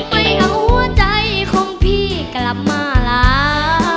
ไปเอาหัวใจของพี่กลับมาลา